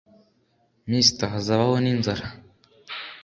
Mr hazabaho n inzara